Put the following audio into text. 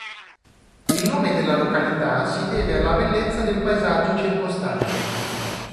Il nome della località si deve alla bellezza del paesaggio circostante.